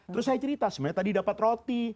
terus saya cerita sebenarnya tadi dapat roti